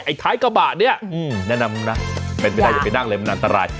ท้ายกระบะเนี่ยแนะนำนะเป็นไปได้อย่าไปนั่งเลยมันอันตราย